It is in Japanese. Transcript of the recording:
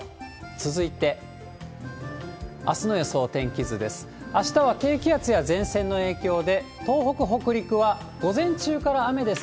続いて、あすの予想天気図です。